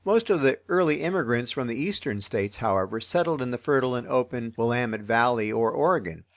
Most of the early immigrants from the Eastern States, however, settled in the fertile and open Willamette Valley or Oregon.